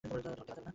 ধরা খেলে চলবে না।